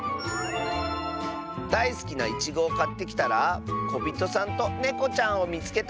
「だいすきないちごをかってきたらこびとさんとねこちゃんをみつけた！」。